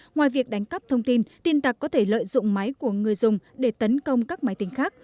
ngoài việc đánh cắp thông tin tin tặc có thể lợi dụng máy của người dùng để tấn công các máy tính khác